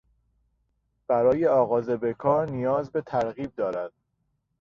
برای آغاز به کار نیاز به ترغیب دارد.